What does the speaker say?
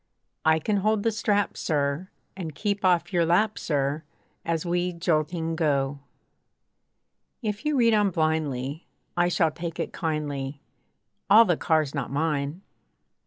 I can hold the strap, sir! And keep off your lap, sir! As we jolting go. If you read on blindly, I shall take it kindly, All the car's not mine.